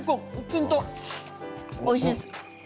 おいしいです。